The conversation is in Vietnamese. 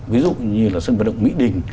ví dụ như là sân vận động mỹ đình